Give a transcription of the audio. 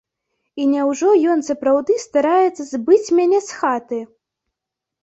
І няўжо ён сапраўды стараецца збыць мяне з хаты!